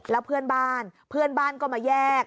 แล้วเพื่อนบ้านเพื่อนบ้านก็มาแยก